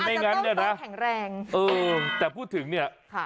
ไม่งั้นเนี่ยนะแข็งแรงเออแต่พูดถึงเนี่ยค่ะ